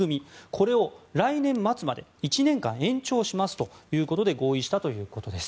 これを来年末まで１年間延長しますということで合意したということです。